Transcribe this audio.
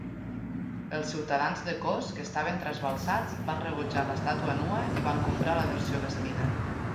Els ciutadans de Kos, que estaven trasbalsats, van rebutjar l'estàtua nua i van comprar la versió vestida.